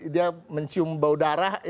dia mencium bau darah